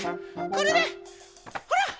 これでほら！